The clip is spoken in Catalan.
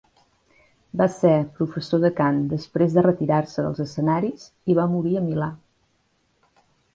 Va ser professor de cant després de retirar-se dels escenaris i va morir a Milà.